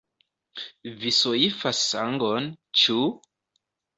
Vi soifas sangon, ĉu?